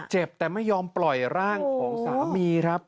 เจ็บแต่ไม่ยอมปล่อยร่างของสามีครับ